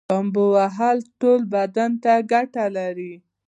لامبو وهل ټول بدن ته ګټه لري